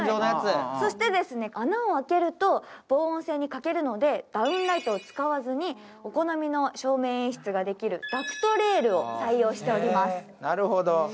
穴を開ける防音性に欠けるので、ダウンライトを使わずにお好みの照明演出が楽しめるダクトレールを採用しております。